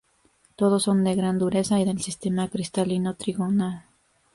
Todos son de gran dureza y del sistema cristalino trigonal.